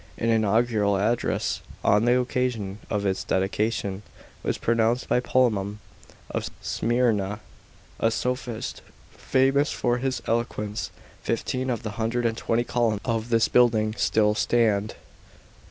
An inaugural address, on the occasion of its dedication, was pronounced by Polemon of Smyrna, a sophist famous for his eloquence Fifteen of the hundred and twenty columns of this building still stand.